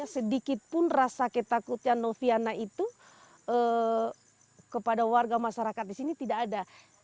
sedikit pun rasa ketakutnya nofianakala itu kepada warga masyarakat di sini tidak ada